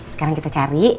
sekarang kita cari